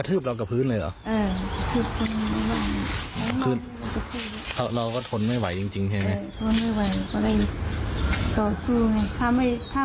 อืมไม่ไหวเพราะว่านายเก็บต่อสู้เลย